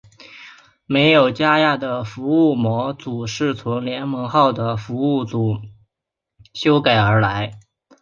而没有加压的服务模组是从联盟号的服务模组修改而来。